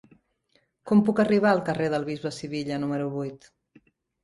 Com puc arribar al carrer del Bisbe Sivilla número vuit?